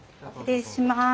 失礼します。